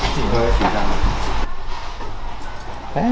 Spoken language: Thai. แสดงความเป็นในวันสุดท้าย